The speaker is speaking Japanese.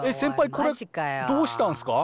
これどうしたんすか？